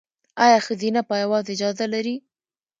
ایا ښځینه پایواز اجازه لري؟